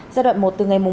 giai đoạn một từ ngày một